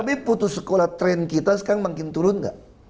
tapi putus sekolah tren kita sekarang makin turun nggak